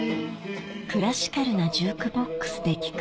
クラシカルなジュークボックスで聴く